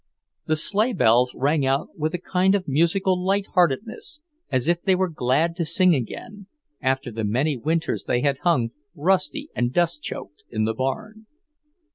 The sleighbells rang out with a kind of musical lightheartedness, as if they were glad to sing again, after the many winters they had hung rusty and dustchoked in the barn.